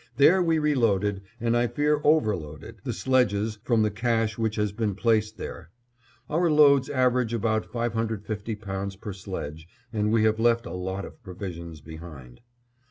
There we reloaded, and I fear overloaded, the sledges, from the cache which has been placed there. Our loads average about 550 pounds per sledge and we have left a lot of provisions behind.